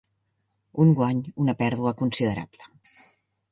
Un guany, una pèrdua, considerable.